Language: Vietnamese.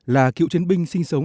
là cựu chiến binh sinh sống